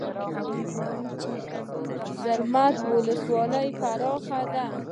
د زرمت ولسوالۍ پراخه ده